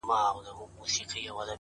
• ځلېدل به یې په لمر کي چاغ ورنونه ,